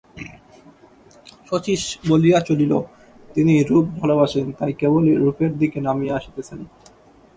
শচীশ বলিয়া চলিল, তিনি রূপ ভালোবাসেন, তাই কেবলই রূপের দিকে নামিয়া আসিতেছেন।